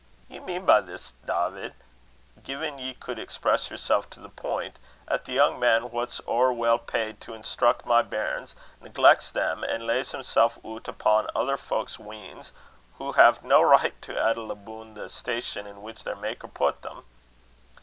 "Ye mean by this, Dawvid, gin ye could express yersel' to the pint, 'at the young man, wha's ower weel paid to instruck my bairns, neglecks them, an' lays himsel' oot upo' ither fowk's weans, wha hae no richt to ettle aboon the station in which their Maker pat them."